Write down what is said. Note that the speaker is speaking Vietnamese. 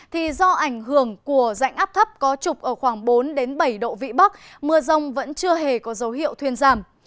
thì do ảnh hưởng của rãnh áp thấp có trục ở khoảng bốn bảy độ vị bắc mưa rông vẫn chưa hề có dấu hiệu thuyền giảm